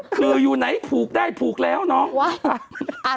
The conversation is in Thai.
คืออยู่ไหนผูกได้ผูกแล้วเนาะ